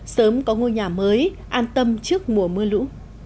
sớm có ngôi nhà mới an tâm trước mùa mưa lũ